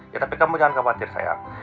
ya tapi kamu jangan khawatir saya